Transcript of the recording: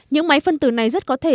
những máy phân tử này rất có thể